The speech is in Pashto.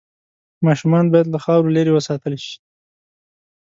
ماشومان باید له خاورو لرې وساتل شي۔